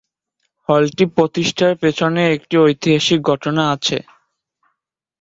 হলটি প্রতিষ্ঠার পেছনে একটি ঐতিহাসিক ঘটনা আছে।